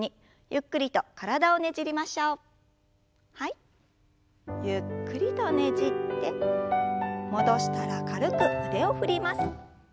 ゆっくりとねじって戻したら軽く腕を振ります。